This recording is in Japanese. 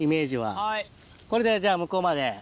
これでじゃあ向こうまで。